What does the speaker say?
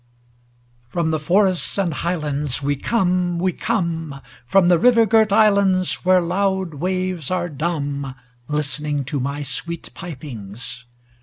From the forests and highlands We come, we come; From the river girt islands, Where loud waves are dumb Listening to my sweet pipings.